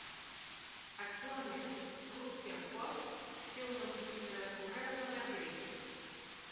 Actualment, Russian Post té una oficina de correus a Berlín.